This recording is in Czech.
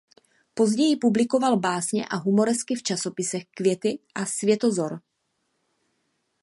Později publikoval básně a humoresky v časopisech "Květy" a "Světozor".